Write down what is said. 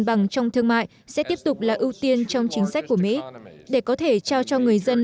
bằng trong thương mại sẽ tiếp tục là ưu tiên trong chính sách của mỹ để có thể trao cho người dân